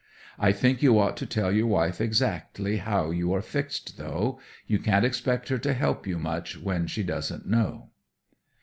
I think you ought to tell your wife exactly how you are fixed, though. You can't expect her to help you much when she doesn't know."